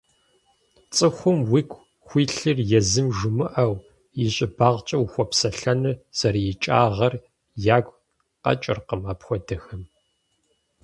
ЦӀыхум уигу хуилъыр езым жумыӀэу, и щӀыбагъкӀэ ухуэпсэлъэныр зэрыикӀагъэр ягу къэкӀыркъым апхуэдэхэм.